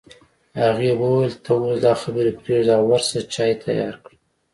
هغې وویل ته اوس دا خبرې پرېږده او ورشه چای تيار کړه